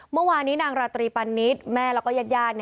เมื่อวานี้นางราศน์ตรีปันนิษฐ์แม่และยาด